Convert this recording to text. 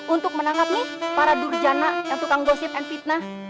untuk menangkap nih para durjana yang tukang gosip and fitnah